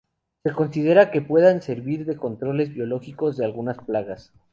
Se considera que puedan servir de controles biológicos de algunas plagas.